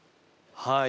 はい。